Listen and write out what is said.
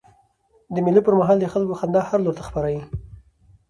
د مېلو پر مهال د خلکو خندا هر لور ته خپره يي.